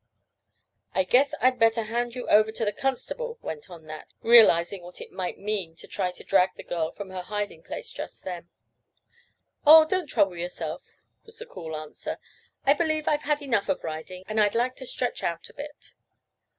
"I guess I'd better hand you over to a constable," went on Nat, realizing what it might mean to try to drag the girl from her hiding place just then. "Oh, don't trouble yourself," was the cool answer. "I believe I've had enough of riding, and I'd like to stretch out a bit."